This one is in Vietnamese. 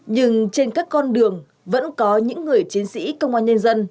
nhưng trên các con đường vẫn có những người chiến sĩ công an nhân dân